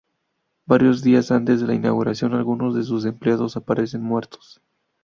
Varios días antes de la inauguración, algunos de sus empleados aparecen muertos.